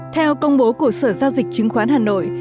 theo công bố của sở giao dịch chứng khoán hà nội